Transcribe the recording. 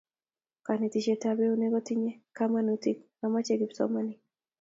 konetisietab eunek kotinye kamanutik amamache kipsomaninik